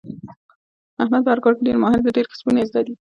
احمد په هر کار کې ډېر ماهر دی. ډېر کسبونه یې زده دي.